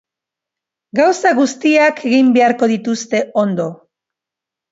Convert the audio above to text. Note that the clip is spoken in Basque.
Gauza guztiak egin beharko dituzte ondo.